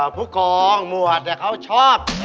ผู้กองหมวดเขาชอบ